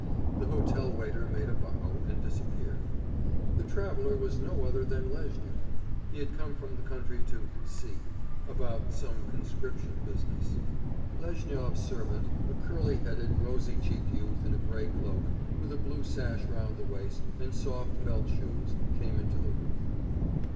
The hotel waiter made a bow and disappeared. The traveller was no other than Lezhnyov. He had come from the country to C about some conscription business. Lezhnyov's servant, a curly headed, rosy cheeked youth in a grey cloak, with a blue sash round the waist, and soft felt shoes, came into the room.